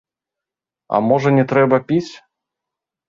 А можа, не трэба піць?